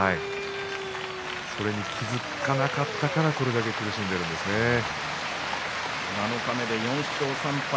それに気が付かなかったからこれだけ苦しんで七日目で４勝３敗。